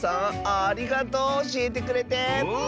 ありがとうおしえてくれて！